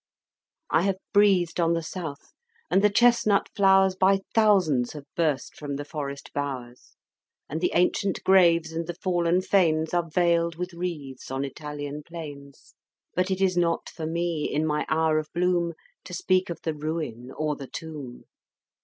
I have breathed on the South, and the chestnut flowers By thousands have burst from the forest bowers, And the ancient graves and the fallen fanes Are veiled with wreathes on Italian plains; But it is not for me, in my hour of bloom, To speak of the ruin or the tomb!